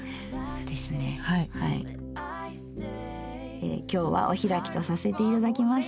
ええ今日はお開きとさせて頂きます。